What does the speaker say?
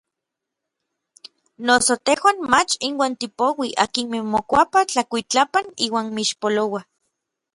Noso tejuan mach inuan tipouij akinmej mokuapaj tlakuitlapan iuan mixpolouaj.